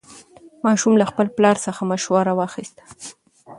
ماشوم له خپل پلار څخه مشوره واخیسته